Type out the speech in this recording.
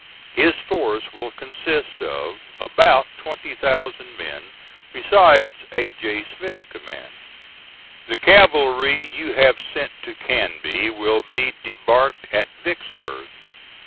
His force will consist of about twenty thousand men, besides A. J. Smith's command. The cavalry you have sent to Canby will be debarked at Vicksburg.